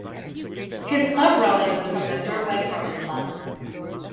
His club rowing was from the Derwent Rowing Club.